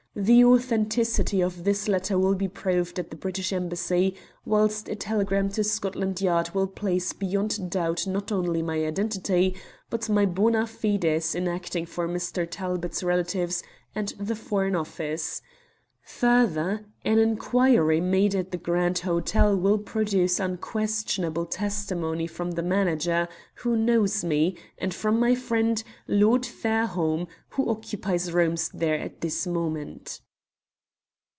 The authenticity of this letter will be proved at the British Embassy, whilst a telegram to Scotland Yard will place beyond doubt not only my identity, but my bona fides in acting for Mr. Talbot's relatives and the Foreign Office. Further, an inquiry made at the Grand Hotel will produce unquestionable testimony from the manager, who knows me, and from my friend, Lord Fairholme, who occupies rooms there at this moment."